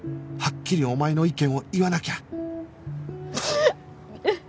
はっきりお前の意見を言わなきゃ